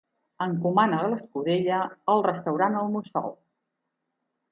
Encomana escudella al restaurant El Mussol.